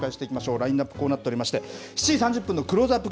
ラインナップ、こうなっておりまして、７時３０分のクローズアップ